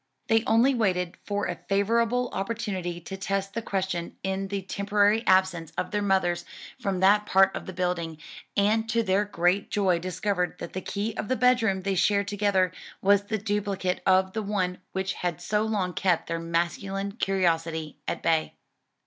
They only waited for a favorable opportunity to test the question in the temporary absence of their mothers from that part of the building, and to their great joy discovered that the key of the bedroom they shared together was the duplicate of the one which had so long kept their masculine curiosity at bay.